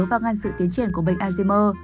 và ngăn sự tiến triển của bệnh alzheimer